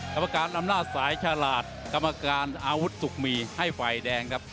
กรรมการอำนาจสายฉลาดกรรมการอาวุธสุขมีให้ฝ่ายแดงครับ